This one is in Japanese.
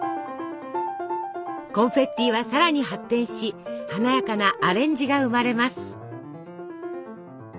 コンフェッティはさらに発展し華やかなアレンジが生まれます。